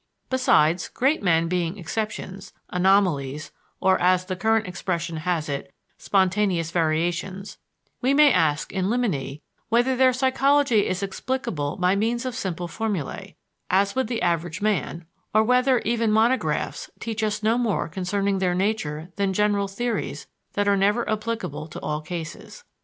Besides, great men being exceptions, anomalies, or as the current expression has it, "spontaneous variations," we may ask in limine whether their psychology is explicable by means of simple formulæ, as with the average man, or whether even monographs teach us no more concerning their nature than general theories that are never applicable to all cases.